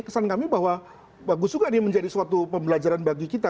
kesan kami bahwa bagus juga ini menjadi suatu pembelajaran bagi kita